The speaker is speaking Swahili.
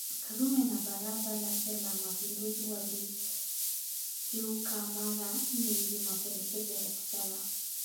Karume na Baraza lake la Mapinduzi walikiuka mara nyingi mapendekezo ya kisera